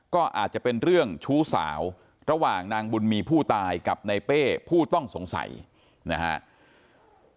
ก็อาจจะเป็นเรื่องชู้สาวระหว่างนางบุญมีผู้ตายกับในเป้ผู้ต้องสงสัยนะครับ